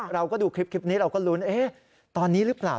เราก็ดูคลิปนี้เราก็ลุ้นตอนนี้หรือเปล่า